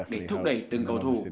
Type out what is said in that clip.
để thúc đẩy từng cầu thủ